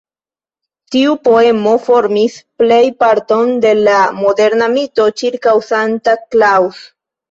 Tiu poemo formis plejparton de la moderna mito ĉirkaŭ Santa Claus.